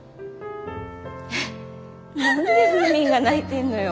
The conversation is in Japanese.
何でフーミンが泣いてんのよ。